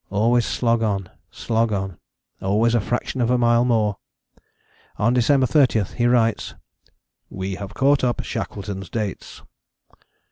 Always slog on, slog on. Always a fraction of a mile more.... On December 30 he writes, "We have caught up Shackleton's dates."